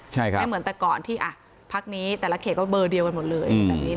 ไม่เหมือนแต่ก่อนที่พักนี้แต่ละเขตก็เบอร์เดียวกันหมดเลยแบบนี้